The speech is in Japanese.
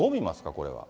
これは。